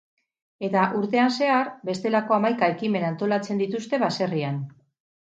Eta urtean zehar, bestelako hamaika ekimen antolatzen dituzte baserrian.